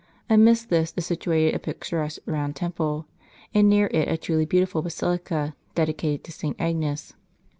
Amidst this is situated a picturesque round temple, and near it a truly beautiful basilica, dedicated to St. Agnes.